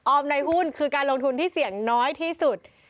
ในหุ้นคือการลงทุนที่เสี่ยงน้อยที่สุด